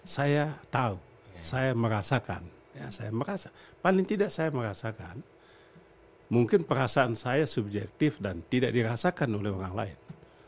saya tahu saya merasakan saya merasa paling tidak saya merasakan mungkin perasaan saya subjektif dan tidak dirasakan oleh orang lain